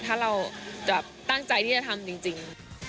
ถ้าเราจะตั้งใจที่จะทำจริง